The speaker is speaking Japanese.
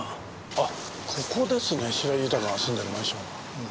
あっここですね白井豊が住んでるマンションは。